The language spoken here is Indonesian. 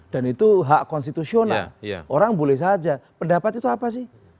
dan itu hak konstitusional orang boleh saja pendapat itu apa sih